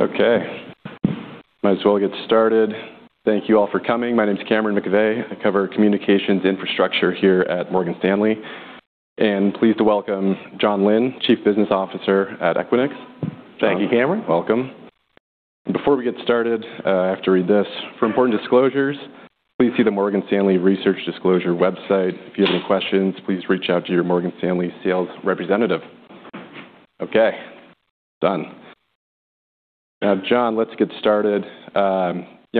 Okay. Might as well get started. Thank you all for coming. My name is Cameron McVeigh. I cover communications infrastructure here at Morgan Stanley. Pleased to welcome Jon Lin, Chief Business Officer at Equinix. Thank you, Cameron. Welcome. Before we get started, I have to read this. For important disclosures, please see the Morgan Stanley Research Disclosure website. If you have any questions, please reach out to your Morgan Stanley sales representative. Okay. Done. Jon, let's get started. you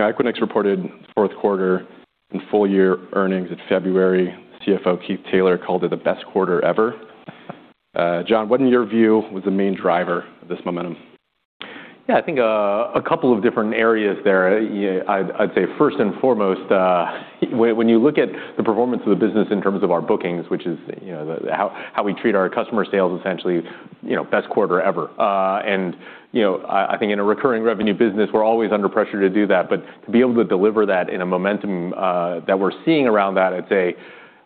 know, Equinix reported fourth quarter and full-year earnings in February. CFO Keith Taylor called it the best quarter ever. Jon, what in your view was the main driver of this momentum? Yeah, I think a couple of different areas there. Yeah, I'd say first and foremost, when you look at the performance of the business in terms of our bookings, which is, you know, how we treat our customer sales essentially, you know, best quarter ever. You know, I think in a recurring revenue business, we're always under pressure to do that. To be able to deliver that in a momentum that we're seeing around that, I'd say,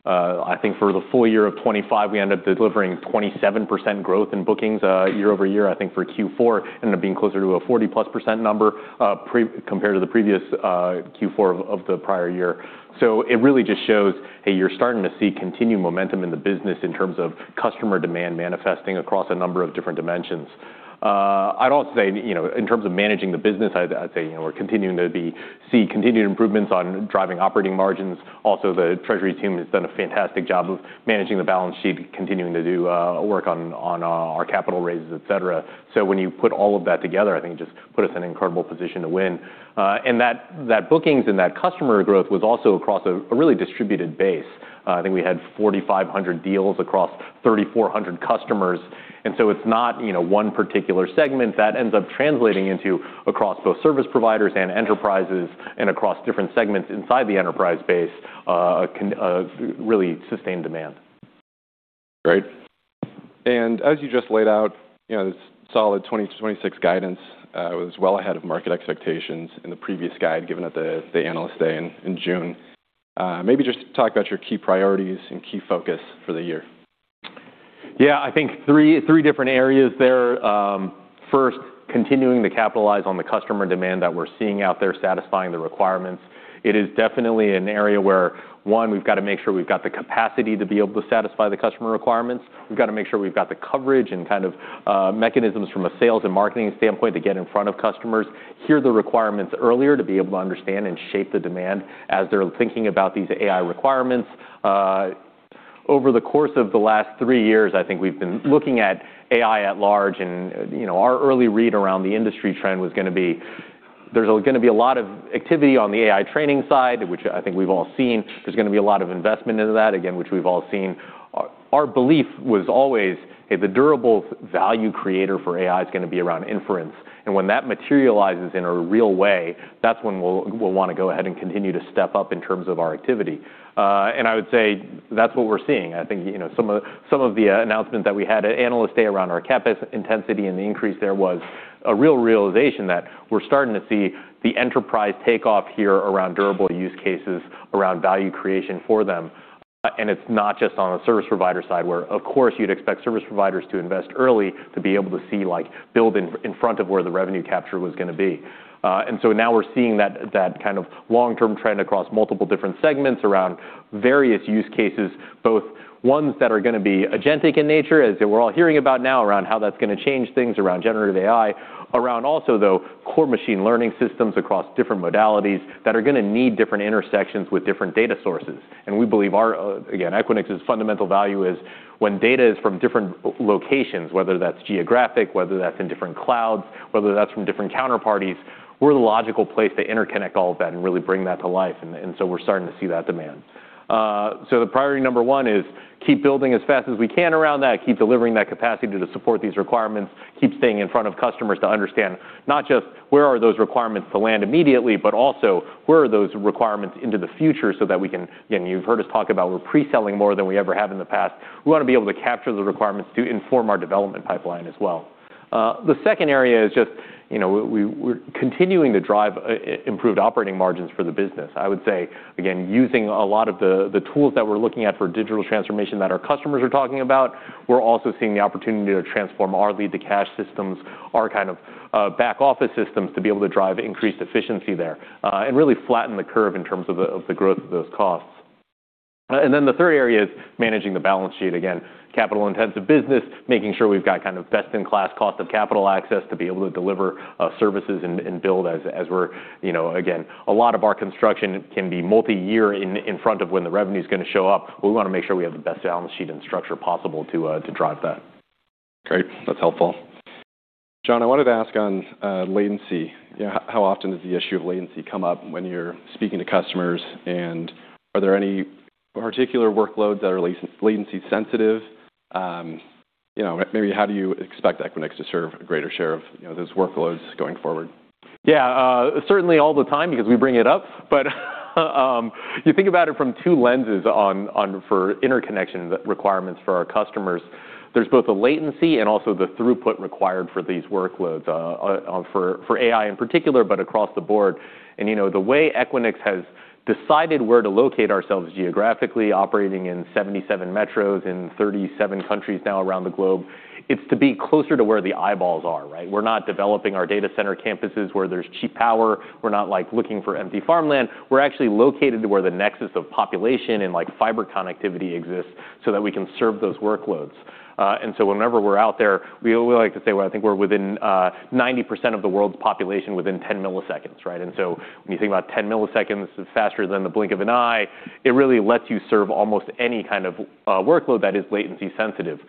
I think for the full year of 2025, we end up delivering 27% growth in bookings year-over-year. I think for Q4, ended up being closer to a 40%+ number compared to the previous Q4 of the prior year. It really just shows, Hey, you're starting to see continued momentum in the business in terms of customer demand manifesting across a number of different dimensions. I'd also say, you know, in terms of managing the business, I'd say, you know, we're continuing to see continued improvements on driving operating margins. Also, the treasury team has done a fantastic job of managing the balance sheet, continuing to do work on our capital raises, et cetera. When you put all of that together, I think it just puts us in an incredible position to win. That bookings and that customer growth was also across a really distributed base. I think we had 4,500 deals across 3,400 customers. It's not, you know, one particular segment that ends up translating into across both service providers and enterprises and across different segments inside the enterprise base, really sustained demand. Great. As you just laid out, you know, this solid 2026 guidance, was well ahead of market expectations in the previous guide given at the Analyst Day in June. Maybe just talk about your key priorities and key focus for the year. Yeah. I think three different areas there. First, continuing to capitalize on the customer demand that we're seeing out there, satisfying the requirements. It is definitely an area where, one, we've got to make sure we've got the capacity to be able to satisfy the customer requirements. We've got to make sure we've got the coverage and kind of mechanisms from a sales and marketing standpoint to get in front of customers, hear the requirements earlier to be able to understand and shape the demand as they're thinking about these AI requirements. Over the course of the last three years, I think we've been looking at AI at large, and, you know, our early read around the industry trend was gonna be there's gonna be a lot of activity on the AI training side, which I think we've all seen. There's gonna be a lot of investment into that, again, which we've all seen. Our belief was always, hey, the durable value creator for AI is gonna be around inference. When that materializes in a real way, that's when we'll wanna go ahead and continue to step up in terms of our activity. I would say that's what we're seeing. I think, you know, some of the announcements that we had at Analyst Day around our CapEx intensity and the increase there was a real realization that we're starting to see the enterprise take off here around durable use cases, around value creation for them. It's not just on the service provider side, where of course you'd expect service providers to invest early to be able to see, like, build in front of where the revenue capture was gonna be. Now we're seeing that kind of long-term trend across multiple different segments around various use cases, both ones that are gonna be agentic in nature, as we're all hearing about now, around how that's gonna change things around generative AI. Around also, though, core machine learning systems across different modalities that are gonna need different intersections with different data sources. We believe our, again, Equinix's fundamental value is when data is from different locations, whether that's geographic, whether that's in different clouds, whether that's from different counterparties, we're the logical place to interconnect all of that and really bring that to life. We're starting to see that demand. The priority number one is keep building as fast as we can around that, keep delivering that capacity to support these requirements, keep staying in front of customers to understand not just where are those requirements to land immediately, but also where are those requirements into the future so that we can. Again, you've heard us talk about we're pre-selling more than we ever have in the past. We want to be able to capture the requirements to inform our development pipeline as well. The second area is just, you know, we're continuing to drive improved operating margins for the business. I would say, again, using a lot of the tools that we're looking at for digital transformation that our customers are talking about, we're also seeing the opportunity to transform our Lead-to-Cash systems, our kind of, back office systems to be able to drive increased efficiency there, and really flatten the curve in terms of the, of the growth of those costs. Then the third area is managing the balance sheet. Again, capital-intensive business, making sure we've got kind of best-in-class cost of capital access to be able to deliver, services and build as we're, you know... Again, a lot of our construction can be multi-year in front of when the revenue is going to show up. We want to make sure we have the best balance sheet and structure possible to drive that. Great. That's helpful. Jon, I wanted to ask on latency. You know, how often does the issue of latency come up when you're speaking to customers? Are there any particular workloads that are latency sensitive? You know, maybe how do you expect Equinix to serve a greater share of, you know, those workloads going forward? Certainly all the time because we bring it up. You think about it from two lenses for interconnection requirements for our customers. There's both the latency and also the throughput required for these workloads for AI in particular, but across the board. You know, the way Equinix has decided where to locate ourselves geographically, operating in 77 metros in 37 countries now around the globe, it's to be closer to where the eyeballs are, right? We're not developing our data center campuses where there's cheap power. We're not, like, looking for empty farmland. We're actually located to where the nexus of population and, like, fiber connectivity exists so that we can serve those workloads. Whenever we're out there, we like to say, well, I think we're within 90% of the world's population within 10 milliseconds, right? When you think about 10 milliseconds, it's faster than the blink of an eye. It really lets you serve almost any kind of workload that is latency sensitive,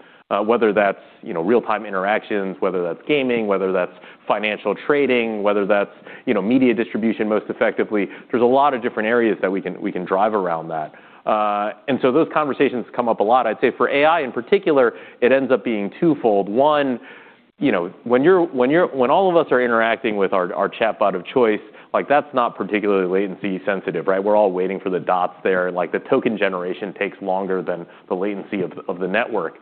whether that's, you know, real-time interactions, whether that's gaming, whether that's financial trading, whether that's, you know, media distribution most effectively. There's a lot of different areas that we can, we can drive around that. Those conversations come up a lot. I'd say for AI, in particular, it ends up being twofold. One, you know, when all of us are interacting with our chatbot of choice, like, that's not particularly latency sensitive, right? We're all waiting for the dots there, and, like, the token generation takes longer than the latency of the network.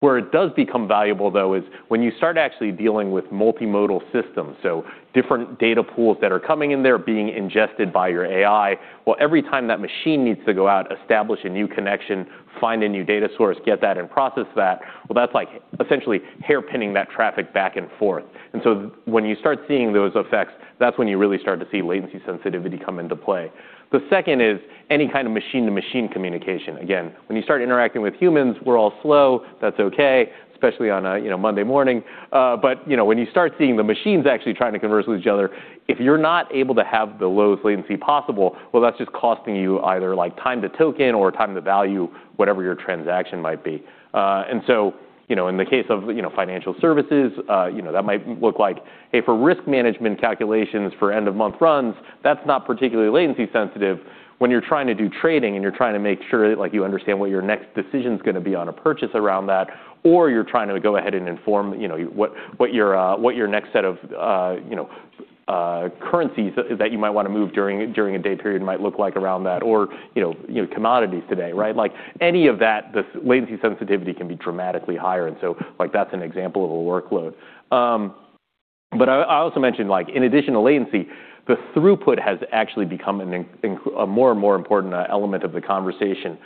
Where it does become valuable, though, is when you start actually dealing with multimodal systems, so different data pools that are coming in there being ingested by your AI. Well, every time that machine needs to go out, establish a new connection, find a new data source, get that and process that, well, that's like essentially hair pinning that traffic back and forth. When you start seeing those effects, that's when you really start to see latency sensitivity come into play. The second is any kind of machine-to-machine communication. Again, when you start interacting with humans, we're all slow. That's okay, especially on a, you know, Monday morning. You know, when you start seeing the machines actually trying to converse with each other, if you're not able to have the lowest latency possible, well, that's just costing you either, like, time to token or time to value whatever your transaction might be. You know, in the case of, you know, financial services, you know, that might look like, hey, for risk management calculations for end-of-month runs, that's not particularly latency sensitive. When you're trying to do trading, and you're trying to make sure, like, you understand what your next decision's gonna be on a purchase around that, or you're trying to go ahead and inform, you know, what your next set of, you know, currencies that you might want to move during a day period might look like around that or, you know, commodities today, right? Like, any of that, the latency sensitivity can be dramatically higher, and so, like, that's an example of a workload. I also mentioned, like, in addition to latency, the throughput has actually become a more and more important element of the conversation.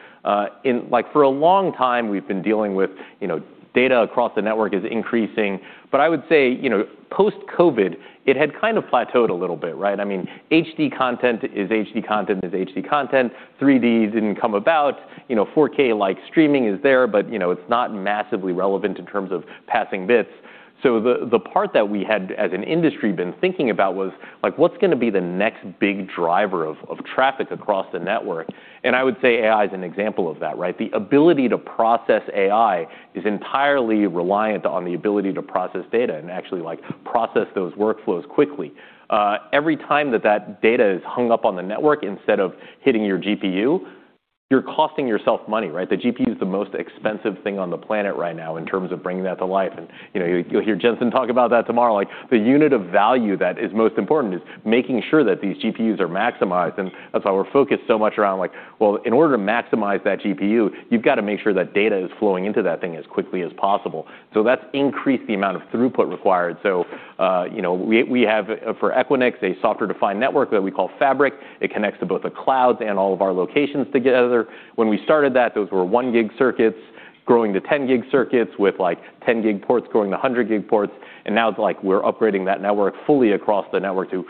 Like, for a long time, we've been dealing with, you know, data across the network is increasing. I would say, you know, post-COVID, it had kind of plateaued a little bit, right? I mean, HD content is HD content is HD content. 3 Ds didn't come about. You know, 4K, like, streaming is there, but, you know, it's not massively relevant in terms of passing bits. The part that we had, as an industry, been thinking about was, like, what's gonna be the next big driver of traffic across the network? I would say AI is an example of that, right? The ability to process AI is entirely reliant on the ability to process data and actually, like, process those workflows quickly. Every time that that data is hung up on the network instead of hitting your GPU, you're costing yourself money, right? The GPU is the most expensive thing on the planet right now in terms of bringing that to life. You know, you'll hear Jensen talk about that tomorrow. Like, the unit of value that is most important is making sure that these GPUs are maximized. That's why we're focused so much around, like, well, in order to maximize that GPU, you've got to make sure that data is flowing into that thing as quickly as possible. That's increased the amount of throughput required. You know, we have, for Equinix, a software-defined network that we call Fabric. It connects to both the clouds and all of our locations together. When we started that, those were 1 Gig circuits growing to 10 Gig circuits with, like, 10 Gig ports growing to 100 Gig ports. Now it's like we're upgrading that network fully across the network to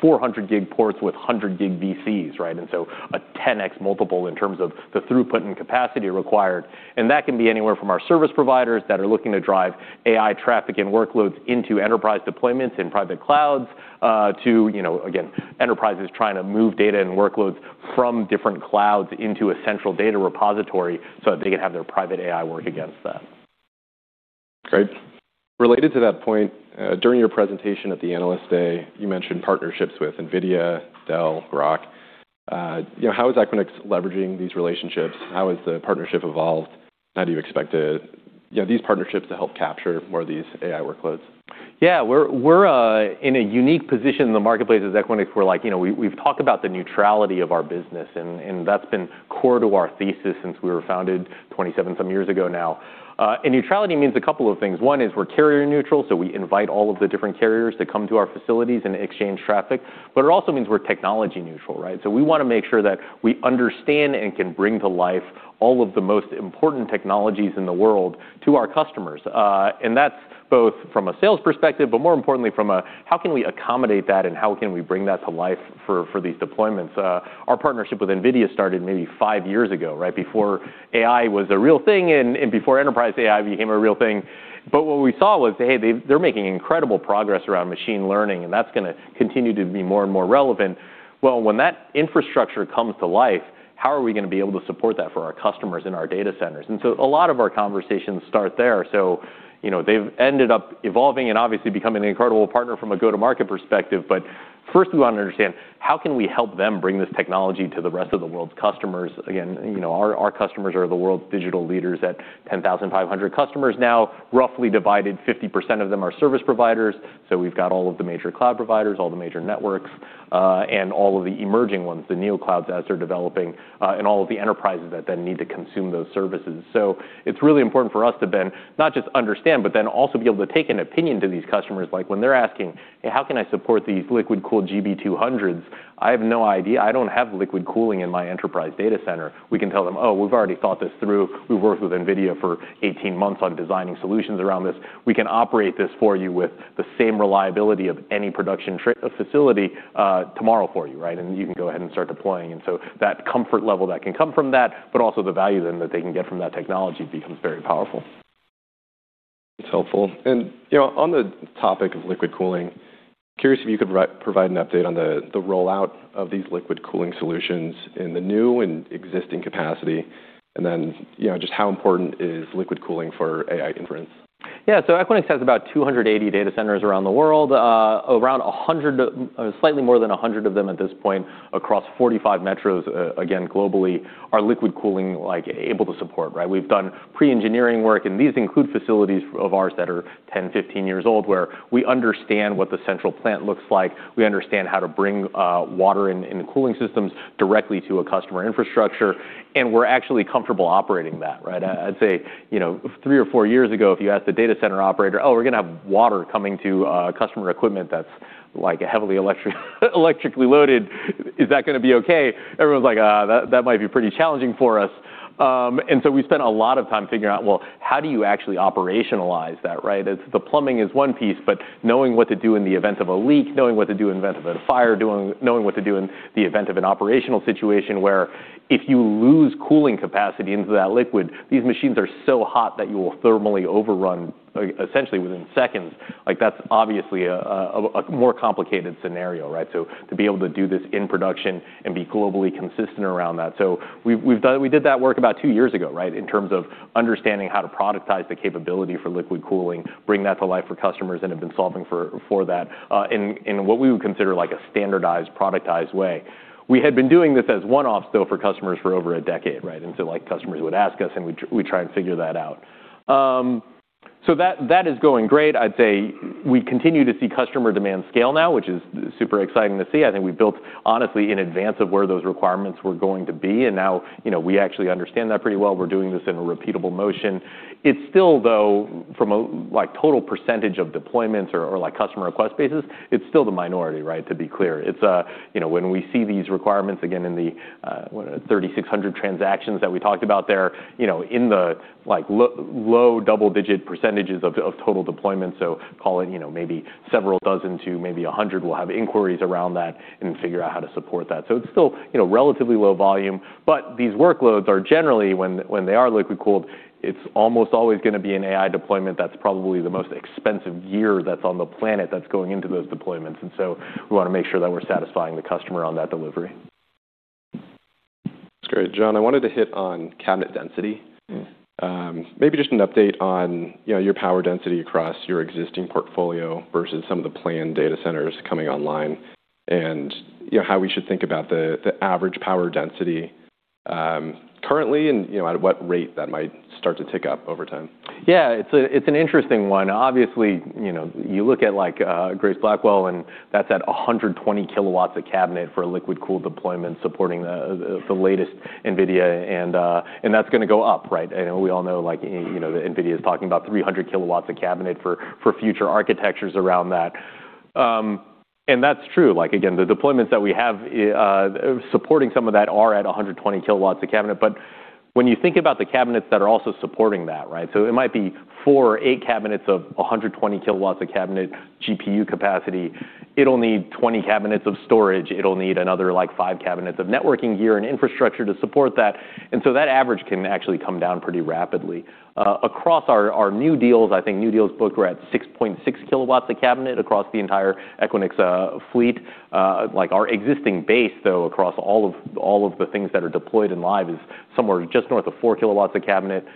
400 Gig ports with 100 Gig VXCs, right? So a 10x multiple in terms of the throughput and capacity required. That can be anywhere from our service providers that are looking to drive AI traffic and workloads into enterprise deployments in private clouds, to, you know, again, enterprises trying to move data and workloads from different clouds into a central data repository so that they can have their private AI work against that. Great. Related to that point, during your presentation at the Analyst Day, you mentioned partnerships with NVIDIA, Dell, Rackspace. You know, how is Equinix leveraging these relationships? How has the partnership evolved? How do you expect it, you know, these partnerships to help capture more of these AI workloads? Yeah. We're in a unique position in the marketplace as Equinix. We're, you know, we've talked about the neutrality of our business, and that's been core to our thesis since we were founded 27-some years ago now. Neutrality means a couple of things. One is we're carrier neutral, so we invite all of the different carriers to come to our facilities and exchange traffic. It also means we're technology neutral, right? We want to make sure that we understand and can bring to life all of the most important technologies in the world to our customers. That's both from a sales perspective, but more importantly from a how can we accommodate that and how can we bring that to life for these deployments. Our partnership with NVIDIA started maybe five years ago, right, before AI was a real thing and before enterprise AI became a real thing. What we saw was, hey, they're making incredible progress around machine learning, and that's going to continue to be more and more relevant. Well, when that infrastructure comes to life, how are we going to be able to support that for our customers in our data centers? A lot of our conversations start there. You know, they've ended up evolving and obviously becoming an incredible partner from a go-to-market perspective. First we want to understand how can we help them bring this technology to the rest of the world's customers. Again, you know, our customers are the world's digital leaders at 10,500 customers now, roughly divided 50% of them are service providers. We've got all of the major cloud providers, all the major networks, and all of the emerging ones, the Neocloud as they're developing, and all of the enterprises that then need to consume those services. It's really important for us to then not just understand, but then also be able to take an opinion to these customers, like when they're asking, "How can I support these liquid-cooled GB200s? I have no idea. I don't have liquid cooling in my enterprise data center." We can tell them, "Oh, we've already thought this through. We've worked with NVIDIA for 18 months on designing solutions around this. We can operate this for you with the same reliability of any production facility, tomorrow for you, right? You can go ahead and start deploying." That comfort level that can come from that, but also the value then that they can get from that technology becomes very powerful. That's helpful. You know, on the topic of liquid cooling, curious if you could provide an update on the rollout of these liquid cooling solutions in the new and existing capacity, and then, you know, just how important is liquid cooling for AI inference? Yeah. Equinix has about 280 data centers around the world, around 100, slightly more than 100 of them at this point across 45 metros, again, globally, are liquid cooling, like, able to support, right? We've done pre-engineering work. These include facilities of ours that are 10, 15 years old, where we understand what the central plant looks like. We understand how to bring water in the cooling systems directly to a customer infrastructure. We're actually comfortable operating that, right? I'd say, you know, 3 or 4 years ago, if you asked a data center operator, "Oh, we're going to have water coming to customer equipment that's like a heavily electrically loaded. Is that going to be okay?" Everyone's like, "that might be pretty challenging for us." We've spent a lot of time figuring out, well, how do you actually operationalize that, right? The plumbing is one piece, but knowing what to do in the event of a leak, knowing what to do in event of a fire, knowing what to do in the event of an operational situation where if you lose cooling capacity into that liquid, these machines are so hot that you will thermally overrun, like, essentially within seconds. Like, that's obviously a more complicated scenario, right? To be able to do this in production and be globally consistent around that. We did that work about two years ago, right? In terms of understanding how to productize the capability for liquid cooling, bring that to life for customers, and have been solving for that, in what we would consider like a standardized, productized way. We had been doing this as one-offs, though, for customers for over a decade, right? Like, customers would ask us, and we'd try and figure that out. That is going great. I'd say we continue to see customer demand scale now, which is super exciting to see. I think we built honestly in advance of where those requirements were going to be, and now, you know, we actually understand that pretty well. We're doing this in a repeatable motion. It's still, though, from a, like, total percentage of deployments or, like, customer request basis, it's still the minority, right? To be clear. It's, you know, when we see these requirements again in the, what, 3,600 transactions that we talked about there, you know, in the, like, low double-digit percentages of total deployments. Call it, you know, maybe several dozen to maybe 100, we'll have inquiries around that and figure out how to support that. It's still, you know, relatively low volume. These workloads are generally when they are liquid-cooled, it's almost always going to be an AI deployment that's probably the most expensive gear that's on the planet that's going into those deployments. We want to make sure that we're satisfying the customer on that delivery. That's great. Jon, I wanted to hit on cabinet density. Maybe just an update on, you know, your power density across your existing portfolio versus some of the planned data centers coming online and, you know, how we should think about the average power density, currently and, you know, at what rate that might start to tick up over time. Yeah. It's a, it's an interesting one. Obviously, you know, you look at like Blackwell, that's at 120 kW a cabinet for a liquid-cooled deployment supporting the latest NVIDIA, and that's going to go up, right? We all know, like, you know, NVIDIA is talking about 300 kW a cabinet for future architectures around that. That's true. Like, again, the deployments that we have supporting some of that are at 120 kW a cabinet. When you think about the cabinets that are also supporting that, right? It might be 4 or 8 cabinets of 120 kW a cabinet GPU capacity. It'll need 20 cabinets of storage. It'll need another, like, 5 cabinets of networking gear and infrastructure to support that. That average can actually come down pretty rapidly. Across our new deals, I think new deals book, we're at 6.6 kW a cabinet across the entire Equinix fleet. Our existing base, though, across all of the things that are deployed and live is somewhere just north of 4 kilowatts a cabinet.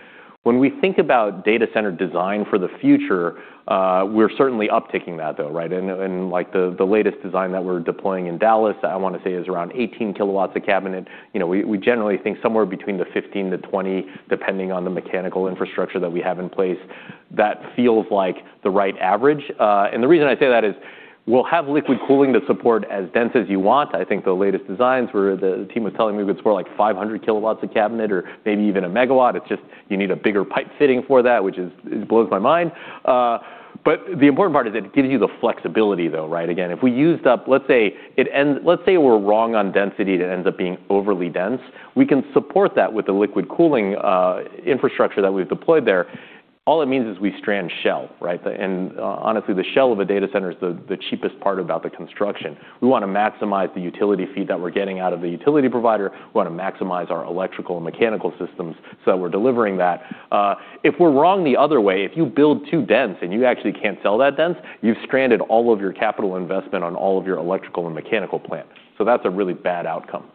When we think about data center design for the future, we're certainly upticking that though, right? The latest design that we're deploying in Dallas, I want to say, is around 18 kilowatts a cabinet. You know, we generally think somewhere between the 15-20, depending on the mechanical infrastructure that we have in place, that feels like the right average. The reason I say that is we'll have liquid cooling to support as dense as you want. I think the latest designs where the team was telling me it was more like 500 kW a cabinet or maybe even a MW. It's just you need a bigger pipe fitting for that, which blows my mind. The important part is it gives you the flexibility, though, right? Again, if we used up, let's say we're wrong on density, it ends up being overly dense. We can support that with the liquid cooling infrastructure that we've deployed there. All it means is we strand shell, right? Honestly, the shell of a data center is the cheapest part about the construction. We want to maximize the utility feed that we're getting out of the utility provider. We want to maximize our electrical and mechanical systems, so we're delivering that. If we're wrong the other way, if you build too dense and you actually can't sell that dense, you've stranded all of your capital investment on all of your electrical and mechanical plant. That's a really bad outcome.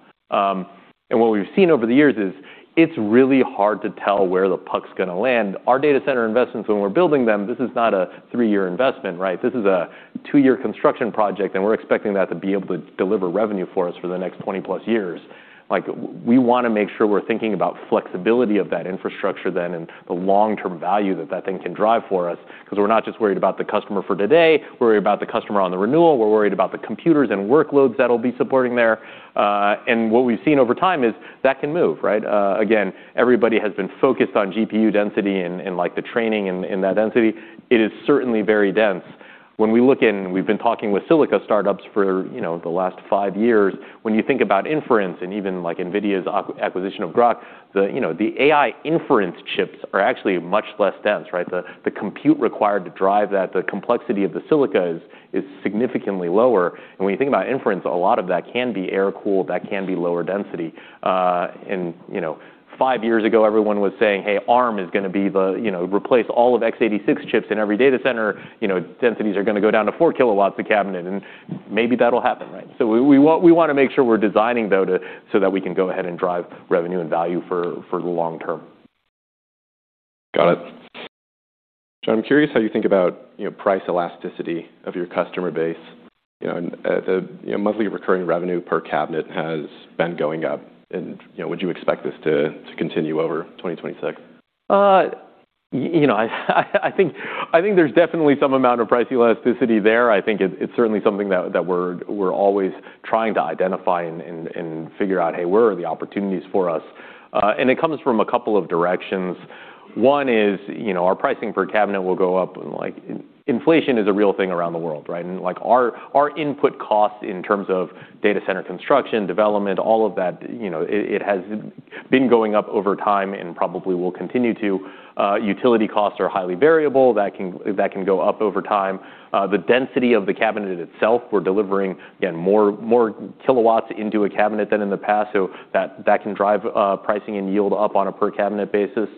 What we've seen over the years is it's really hard to tell where the puck's gonna land. Our data center investments, when we're building them, this is not a 3-year investment, right? This is a 2-year construction project, and we're expecting that to be able to deliver revenue for us for the next 20+ years. Like, we wanna make sure we're thinking about flexibility of that infrastructure then and the long-term value that that thing can drive for us cause we're not just worried about the customer for today, we're worried about the customer on the renewal, we're worried about the computers and workloads that'll be supporting there. And what we've seen over time is that can move, right? Again, everybody has been focused on GPU density and, like, the training in that density. It is certainly very dense. We've been talking with silicon startups for, you know, the last 5 years. When you think about inference and even, like, NVIDIA's acquisition of Groq, the, you know, the AI inference chips are actually much less dense, right? The compute required to drive that, the complexity of the silicon is significantly lower. When you think about inference, a lot of that can be air-cooled, that can be lower density. You know, 5 years ago, everyone was saying, "Hey, Arm is gonna be the, you know, replace all of x86 chips in every data center. You know, densities are gonna go down to 4 kW a cabinet," and maybe that'll happen, right? We wanna make sure we're designing, though, so that we can go ahead and drive revenue and value for the long term. Got it. Jon, I'm curious how you think about, you know, price elasticity of your customer base. You know, monthly recurring revenue per cabinet has been going up and, you know, would you expect this to continue over 2026? You know, I think there's definitely some amount of price elasticity there. I think it's certainly something that we're always trying to identify and figure out, "Hey, where are the opportunities for us?" It comes from a couple of directions. One is, you know, our pricing per cabinet will go up, like, inflation is a real thing around the world, right? Like, our input costs in terms of data center construction, development, all of that, you know, it has been going up over time and probably will continue to. Utility costs are highly variable. That can go up over time. The density of the cabinet itself, we're delivering, again, more kilowatts into a cabinet than in the past, so that can drive pricing and yield up on a per-cabinet basis.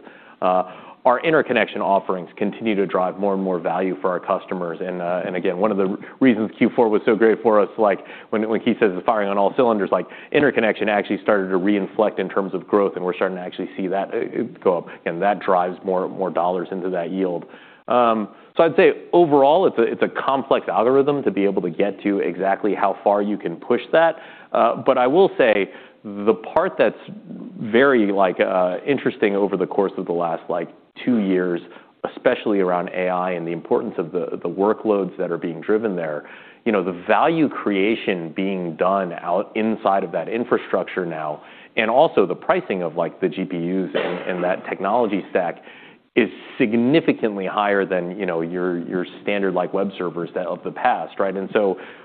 Our interconnection offerings continue to drive more and more value for our customers. Again, one of the reasons Q4 was so great for us, like, when Keith says firing on all cylinders, like, interconnection actually started to reinflate in terms of growth, and we're starting to actually see that go up, and that drives more dollars into that yield. I'd say overall, it's a complex algorithm to be able to get to exactly how far you can push that. I will say the part that's very, like, interesting over the course of the last, like, 2 years, especially around AI and the importance of the workloads that are being driven there, you know, the value creation being done out inside of that infrastructure now, also the pricing of, like, the GPUs in that technology stack is significantly higher than, you know, your standard, like, web servers of the past, right?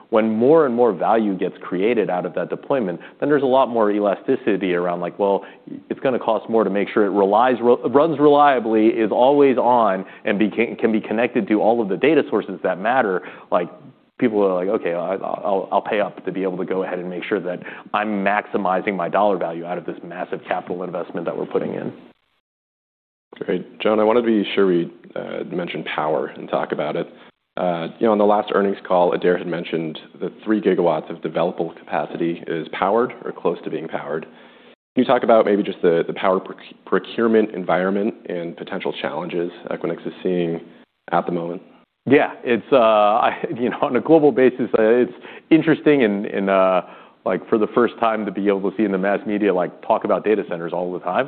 When more and more value gets created out of that deployment, then there's a lot more elasticity around, like, well, it's going cost more to make sure it runs reliably, is always on, and can be connected to all of the data sources that matter. Like, people are like, "Okay, I'll pay up to be able to go ahead and make sure that I'm maximizing my dollar value out of this massive capital investment that we're putting in. Great. Jon, I wanted to be sure we mentioned power and talk about it. you know, on the last earnings call, Adaire had mentioned that 3 GW of developable capacity is powered or close to being powered. Can you talk about maybe just the power procurement environment and potential challenges Equinix is seeing at the moment? Yeah. It's, you know, on a global basis, it's interesting and, like, for the first time to be able to see in the mass media, like, talk about data centers all the time.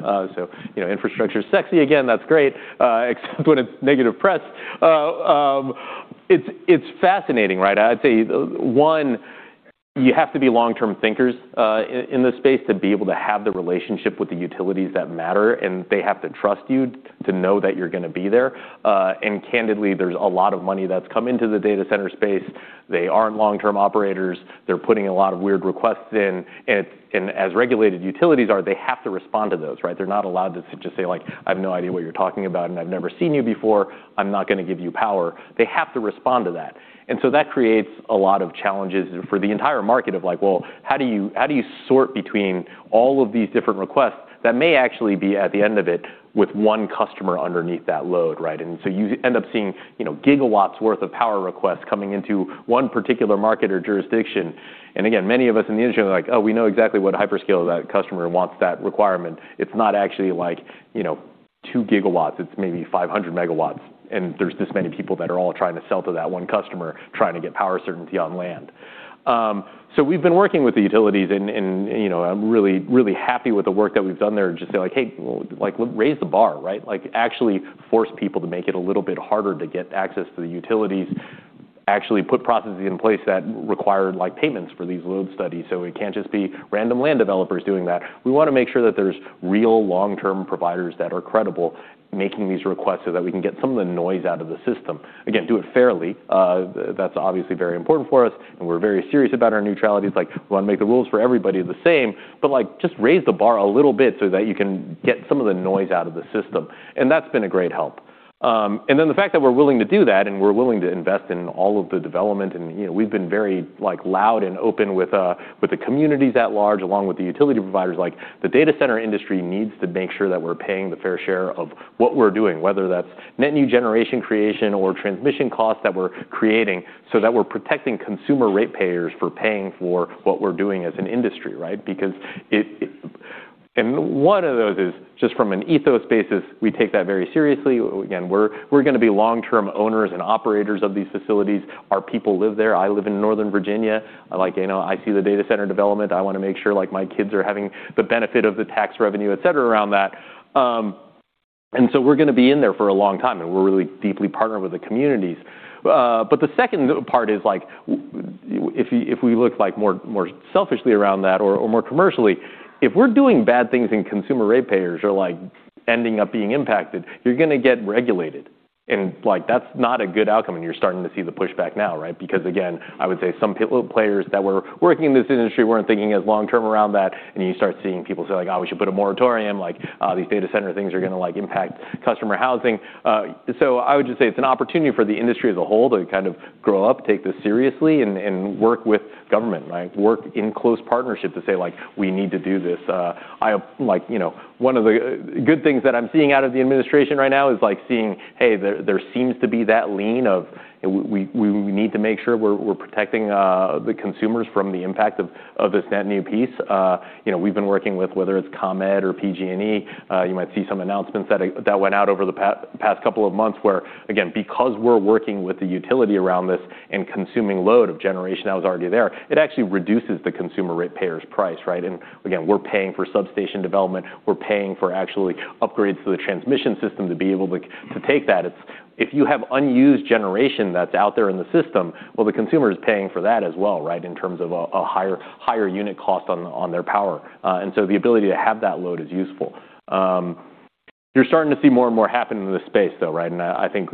You know, infrastructure's sexy again. That's great, except when it's negative press. It's fascinating, right? I'd say, one, you have to be long-term thinkers in this space to be able to have the relationship with the utilities that matter, and they have to trust you to know that you're going to be there. Candidly, there's a lot of money that's come into the data center space. They aren't long-term operators. They're putting a lot of weird requests in, and as regulated utilities are, they have to respond to those, right? They're not allowed to just say, like, "I have no idea what you're talking about, and I've never seen you before. I'm not going to give you power." They have to respond to that. That creates a lot of challenges for the entire market of, like, well, how do you sort between all of these different requests that may actually be at the end of it with one customer underneath that load, right? You end up seeing, you know, GW worth of power requests coming into one particular market or jurisdiction. Again, many of us in the industry are like, "Oh, we know exactly what hyperscale that customer wants that requirement." It's not actually like, you know, 2 GW, it's maybe 500 MW, and there's this many people that are all trying to sell to that one customer, trying to get power certainty on land. We've been working with the utilities and, you know, I'm really, really happy with the work that we've done there to just say, like, "Hey, like, raise the bar," right? Like, actually force people to make it a little bit harder to get access to the utilities. Actually put processes in place that require, like, payments for these load studies, so it can't just be random land developers doing that. We wanna make sure that there's real long-term providers that are credible making these requests so that we can get some of the noise out of the system. Again, do it fairly. That's obviously very important for us, and we're very serious about our neutrality. It's like we wanna make the rules for everybody the same, but, like, just raise the bar a little bit so that you can get some of the noise out of the system, and that's been a great help. The fact that we're willing to do that, and we're willing to invest in all of the development, and, you know, we've been very, like, loud and open with the communities at large, along with the utility providers. Like, the data center industry needs to make sure that we're paying the fair share of what we're doing, whether that's net new generation creation or transmission costs that we're creating so that we're protecting consumer ratepayers for paying for what we're doing as an industry, right? One of those is just from an ethos basis, we take that very seriously. Again, we're gonna be long-term owners and operators of these facilities. Our people live there. I live in Northern Virginia. Like, you know, I see the data center development. I want to make sure, like, my kids are having the benefit of the tax revenue, et cetera, around that. So we're gonna be in there for a long time, and we're really deeply partnered with the communities. The second part is, like, if we look, like, more, more selfishly around that or more commercially, if we're doing bad things and consumer ratepayers are, like, ending up being impacted, you're gonna get regulated. Like, that's not a good outcome, and you're starting to see the pushback now, right? Again, I would say some players that were working in this industry weren't thinking as long-term around that, and you start seeing people say, like, "Oh, we should put a moratorium." Like, "These data center things are gonna, like, impact customer housing." I would just say it's an opportunity for the industry as a whole to kind of grow up, take this seriously, and work with government, right? Work in close partnership to say, like, "We need to do this." I... Like, you know, one of the good things that I'm seeing out of the administration right now is seeing, hey, there seems to be that lean of we need to make sure we're protecting the consumers from the impact of this net new piece. You know, we've been working with whether it's ComEd or PG&E. You might see some announcements that went out over the past couple of months where, again, because we're working with the utility around this and consuming load of generation that was already there, it actually reduces the consumer ratepayers' price, right? Again, we're paying for substation development. We're paying for actually upgrades to the transmission system to be able to take that. If you have unused generation that's out there in the system, well, the consumer is paying for that as well, right, in terms of a higher unit cost on their power. So the ability to have that load is useful. You're starting to see more and more happen in this space though, right? I think,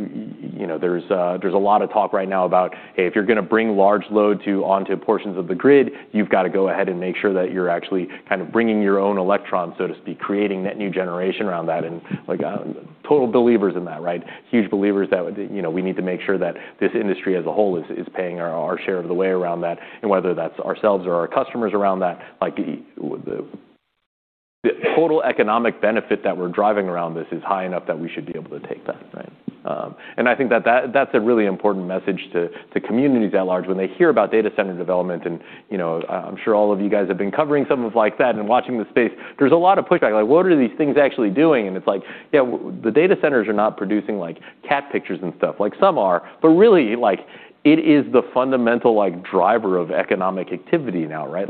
you know, there's a lot of talk right now about, hey, if you're gonna bring large load onto portions of the grid, you've got to go ahead and make sure that you're actually kind of bringing your own electrons, so to speak, creating net new generation around that. Like, total believers in that, right? Huge believers that, you know, we need to make sure that this industry as a whole is paying our share of the way around that, and whether that's ourselves or our customers around that. Like, the total economic benefit that we're driving around this is high enough that we should be able to take that, right? I think that's a really important message to communities at large when they hear about data center development. You know, I'm sure all of you guys have been covering some of like that and watching the space. There's a lot of pushback, like what are these things actually doing? It's like, yeah, the data centers are not producing like cat pictures and stuff. Like, some are, but really, like, it is the fundamental, like, driver of economic activity now, right?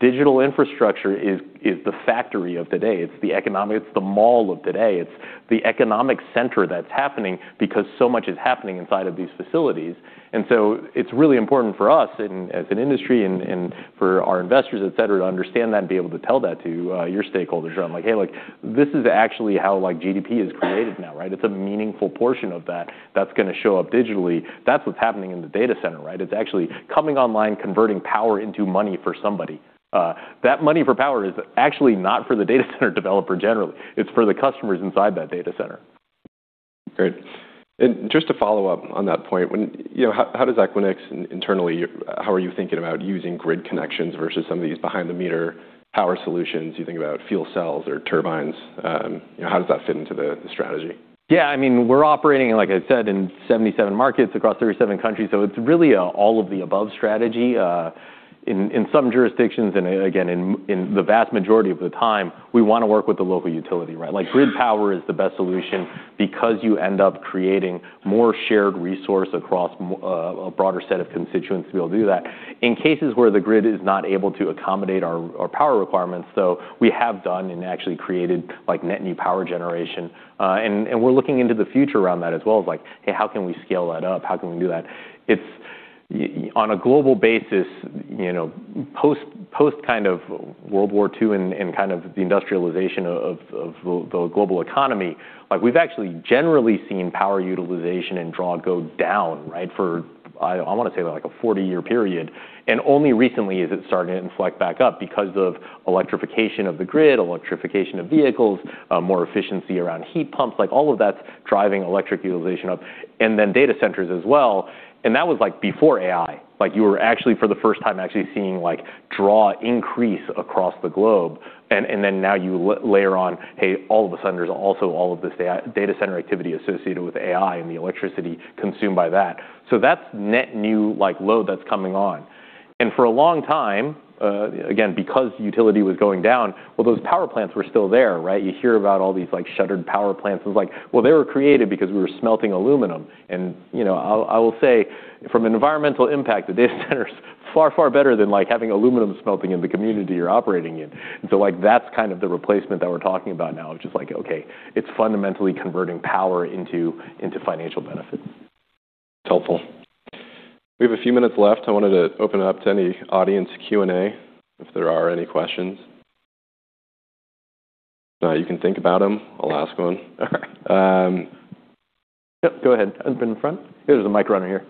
Like, digital infrastructure is the factory of today. It's the mall of today. It's the economic center that's happening because so much is happening inside of these facilities. It's really important for us and as an industry and for our investors, et cetera, to understand that and be able to tell that to your stakeholders around like, "Hey, like this is actually how, like, GDP is created now, right?" It's a meaningful portion of that that's gonna show up digitally. That's what's happening in the data center, right? It's actually coming online, converting power into money for somebody. That money for power is actually not for the data center developer generally. It's for the customers inside that data center. Great. Just to follow up on that point, when, you know, how does Equinix internally, how are you thinking about using grid connections versus some of these behind-the-meter power solutions? You think about fuel cells or turbines, you know, how does that fit into the strategy? Yeah, I mean, we're operating, like I said, in 77 markets across 37 countries. It's really a all-of-the-above strategy. In some jurisdictions, again, in the vast majority of the time, we want to work with the local utility, right? Like, grid power is the best solution because you end up creating more shared resource across a broader set of constituents to be able to do that. In cases where the grid is not able to accommodate our power requirements, so we have done and actually created, like, net new power generation. We're looking into the future around that as well as like, "Hey, how can we scale that up? How can we do that?" It's... On a global basis, you know, post kind of World War II and kind of the industrialization of the global economy, like we've actually generally seen power utilization and draw go down, right? For I want to say, like, a 40-year period. Only recently is it starting to inflect back up because of electrification of the grid, electrification of vehicles, more efficiency around heat pumps, like all of that's driving electric utilization up, and then data centers as well. That was, like, before AI. Like, you were actually for the first time actually seeing, like, draw increase across the globe. Then now you layer on, hey, all of a sudden, there's also all of this data center activity associated with AI and the electricity consumed by that. That's net new, like, load that's coming on. For a long time, again, because utility was going down, well, those power plants were still there, right? You hear about all these, like, shuttered power plants. It's like, well, they were created because we were smelting aluminum. You know, I will say from an environmental impact, the data center's far, far better than, like, having aluminum smelting in the community you're operating in. Like, that's kind of the replacement that we're talking about now of just like, okay, it's fundamentally converting power into financial benefit. It's helpful. We have a few minutes left. I wanted to open it up to any audience Q&A, if there are any questions. No, you can think about them. I'll ask one. All right. Yep, go ahead. Up in the front. There's a mic runner here.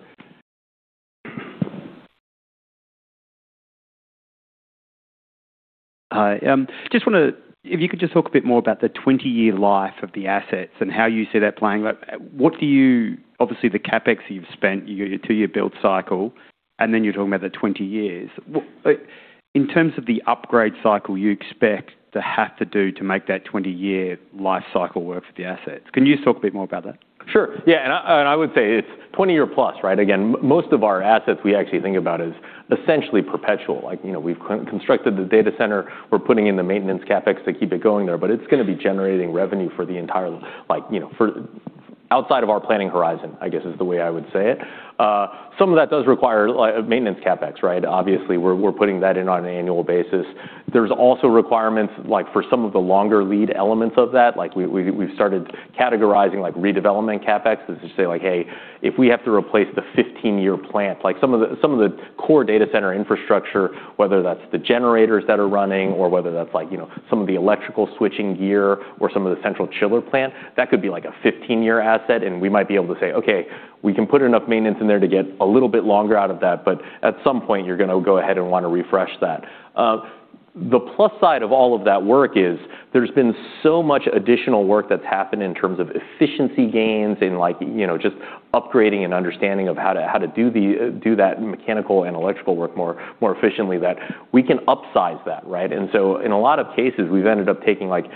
Hi. If you could just talk a bit more about the 20-year life of the assets and how you see that playing out? Obviously, the CapEx you've spent, your 2-year build cycle, and then you're talking about the 20 years. In terms of the upgrade cycle you expect to have to do to make that 20-year life cycle work for the assets, can you just talk a bit more about that? Sure. Yeah, I would say it's 20-year plus, right? Again, most of our assets we actually think about as essentially perpetual. Like, you know, we've constructed the data center. We're putting in the maintenance CapEx to keep it going there, but it's going to be generating revenue for the entire, like, you know, Outside of our planning horizon, I guess is the way I would say it. Some of that does require maintenance CapEx, right? Obviously, we're putting that in on an annual basis. There's also requirements, like, for some of the longer lead elements of that, like, we've started categorizing, like, redevelopment CapEx to say, like, "Hey, if we have to replace the 15-year plant," like some of the, some of the core data center infrastructure, whether that's the generators that are running or whether that's like, you know, some of the electrical switching gear or some of the central chiller plant, that could be like a 15-year asset, and we might be able to say, "Okay, we can put enough maintenance in there to get a little bit longer out of that," but at some point, you're going to go ahead and want to refresh that. The plus side of all of that work is there's been so much additional work that's happened in terms of efficiency gains and, like, you know, just upgrading and understanding of how to do that mechanical and electrical work more, more efficiently that we can upsize that, right? In a lot of cases, we've ended up taking, like,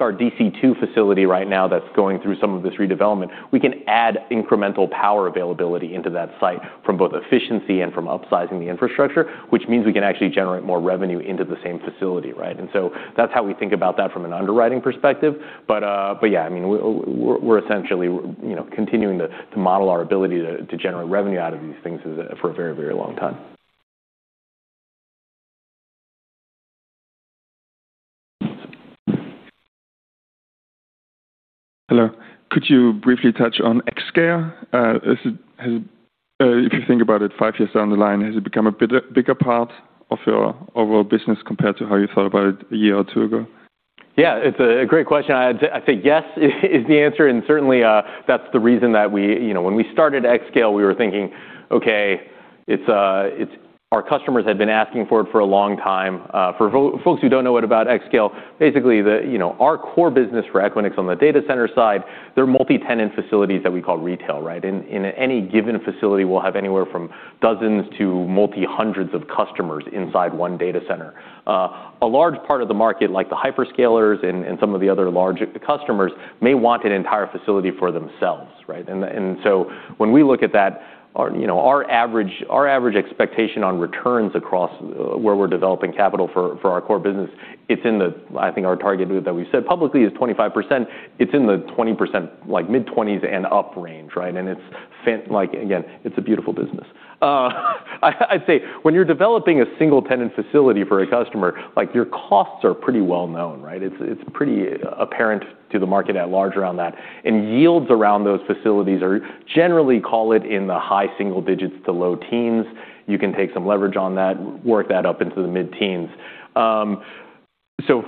our DC2 facility right now that's going through some of this redevelopment. We can add incremental power availability into that site from both efficiency and from upsizing the infrastructure, which means we can actually generate more revenue into the same facility, right? That's how we think about that from an underwriting perspective. Yeah, I mean, we're essentially, you know, continuing to model our ability to generate revenue out of these things is for a very, very long time. Hello. Could you briefly touch on xScale? has it... if you think about it, five years down the line, has it become a bit bigger part of your overall business compared to how you thought about it a year or two ago? Yeah, it's a great question. I think yes is the answer. Certainly, that's the reason that we. You know, when we started xScale, we were thinking, okay, it's our customers had been asking for it for a long time. For folks who don't know what about xScale, basically, you know, our core business for Equinix on the data center side, they're multi-tenant facilities that we call retail, right? In any given facility, we'll have anywhere from dozens to multi-hundreds of customers inside one data center. A large part of the market, like the hyperscalers and some of the other large customers may want an entire facility for themselves, right? When we look at that, our, you know, our average expectation on returns across where we're developing capital for our core business, it's in the, I think our target that we've said publicly is 25%. It's in the 20%, like mid-20s and up range, right? It's, like, again, it's a beautiful business. I'd say when you're developing a single-tenant facility for a customer, like, your costs are pretty well known, right? It's pretty apparent to the market at large around that, and yields around those facilities are generally call it in the high single digits to low teens. You can take some leverage on that, work that up into the mid-teens.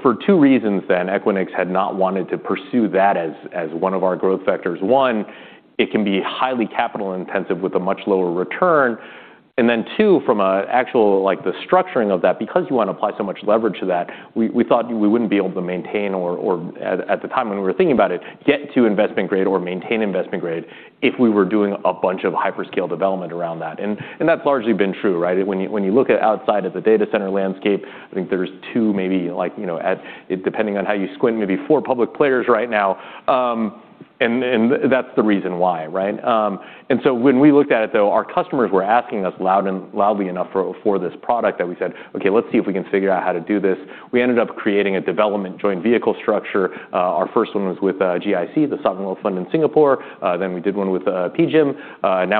For two reasons then, Equinix had not wanted to pursue that as one of our growth vectors. One, it can be highly capital-intensive with a much lower return. Two, from a actual, like, the structuring of that, because you want to apply so much leverage to that, we thought we wouldn't be able to maintain or at the time when we were thinking about it, get to investment grade or maintain investment grade if we were doing a bunch of hyperscale development around that. That's largely been true, right? When you look at outside of the data center landscape, I think there's two maybe, like, you know, depending on how you squint, maybe four public players right now. That's the reason why, right? When we looked at it, though, our customers were asking us loudly enough for this product that we said, "Okay, let's see if we can figure out how to do this." We ended up creating a development joint vehicle structure. Our first one was with GIC, the sovereign wealth fund in Singapore. We did one with PGIM.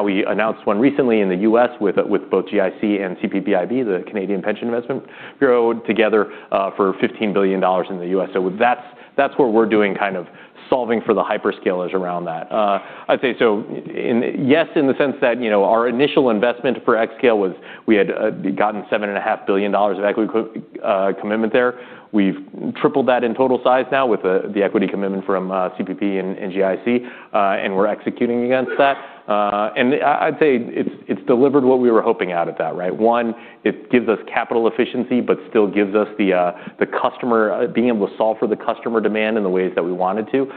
We announced one recently in the U.S. with both GIC and CPPIB, the Canadian Pension Investment growth together, for $15 billion in the U.S. That's where we're doing kind of solving for the hyperscalers around that. I'd say so. Yes, in the sense that, you know, our initial investment for xScale was we had gotten $7.5 billion of equity commitment there. We've tripled that in total size now with the equity commitment from CPP and GIC, and we're executing against that. I'd say it's delivered what we were hoping out of that, right? One, it gives us capital efficiency, but still gives us the customer being able to solve for the customer demand in the ways that we wanted to.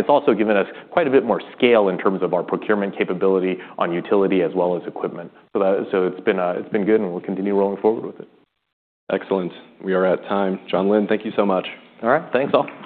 It's also given us quite a bit more scale in terms of our procurement capability on utility as well as equipment. It's been good, and we'll continue rolling forward with it. Excellent. We are at time. Jon Lin, thank you so much. All right. Thanks, all.